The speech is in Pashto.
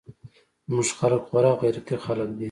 زموږ خلق خورا غيرتي خلق دي.